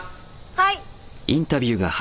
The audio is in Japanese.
はい。